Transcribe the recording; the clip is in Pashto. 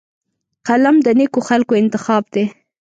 قلم د نیکو خلکو انتخاب دی